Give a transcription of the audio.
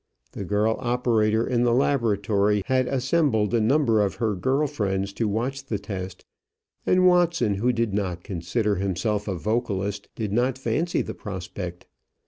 The girl operator in the laboratory had assembled a number of her girl friends to watch the test, and Watson, who did not consider himself a vocalist, did not fancy the prospect.